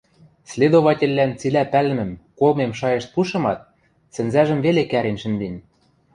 Следовательлӓн цилӓ пӓлӹмӹм, колмем шайышт пушымат, сӹнзӓжӹм веле кӓрен шӹнден.